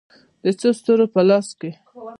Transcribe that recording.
د څو ستورو په لاسو کې